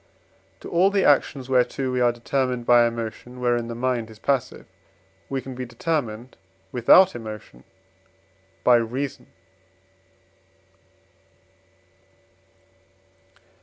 To all the actions, whereto we are determined by emotion wherein the mind is passive; we can be determined without emotion by reason.